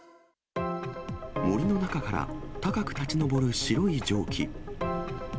森の中から、高く立ち上る白い蒸気。